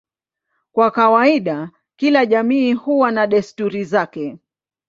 Kwa kawaida kila jamii huwa na desturi zake.